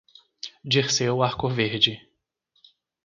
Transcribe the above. Dirceu Arcoverde